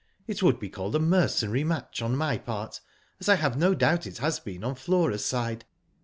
It would be called a mercenary match on my part, as I have no doubt it has been on Flora's side."